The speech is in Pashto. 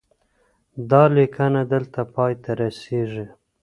دا لیکنه دلته پای ته رسیږي.